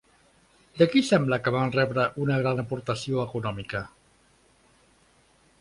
De qui sembla que van rebre una gran aportació econòmica?